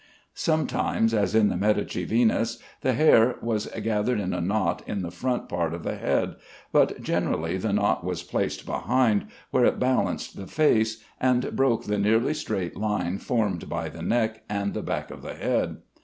Sometimes, as in the Medici Venus, the hair was gathered in a knot in the front part of the head, but generally the knot was placed behind, where it balanced the face, and broke the nearly straight line formed by the neck and the back of the head.